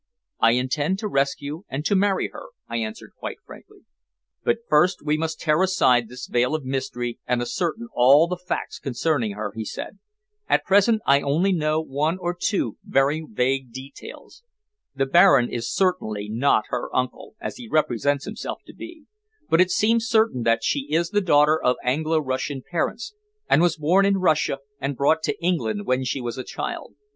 "I intend to rescue, and to marry her," I answered quite frankly. "But first we must tear aside this veil of mystery and ascertain all the facts concerning her," he said. "At present I only know one or two very vague details. The baron is certainly not her uncle, as he represents himself to be, but it seems certain that she is the daughter of Anglo Russian parents, and was born in Russia and brought to England when a child."